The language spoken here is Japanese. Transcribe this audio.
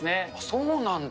そうなんだ。